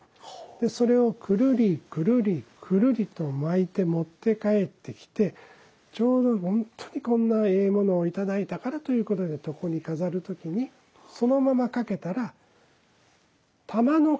それをくるりくるりくるりと巻いて持って帰ってきてちょうど本当にこんなええものを頂いたからということで床に飾る時にそのまま掛けたら珠の形宝の珠宝珠ですね。